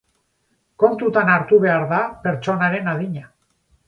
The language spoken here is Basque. Kontutan hartu behar da pertsonaren adina.